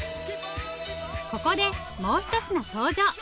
ここでもうひと品登場。